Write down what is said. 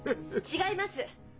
違います！